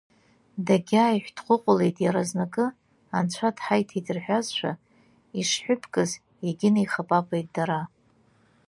Дагьааиҳәҭҟәыҟәлеит иаразнакы, анцәа дҳаиҭеит рҳәазшәа ишҳәыԥкыз иагьынаихапапеит дара.